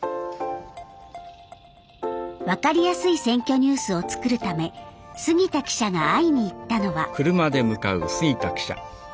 分かりやすい「選挙ニュース」を作るため杉田記者が会いに行ったのは。